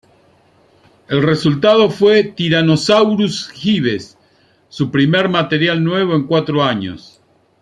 El resultado fue Tyrannosaurus Hives, su primer material nuevo en cuatro años.